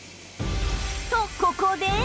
とここで